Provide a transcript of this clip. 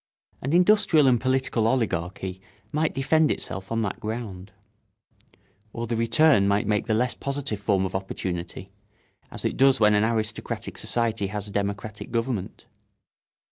An industrial and political oligarchy might defend itself on that ground. Or the return might take the less positive form of opportunity, as it does when an aristocratic society has a democratic government.